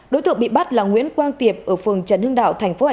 đối tượng bị bắt là nguyễn quang tiệp ở phường trần hưng đạo tp hcm